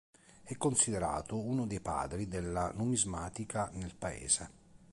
È considerato uno dei "padri" della numismatica nel paese.